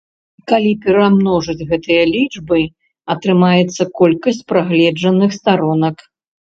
Калі перамножыць гэтыя лічбы, атрымаецца колькасць прагледжаных старонак.